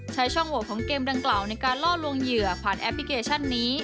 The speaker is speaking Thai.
ใช้ช่องโหวตของเกมดังกล่าวในการล่อลวงเหยื่อผ่านแอปพลิเคชันนี้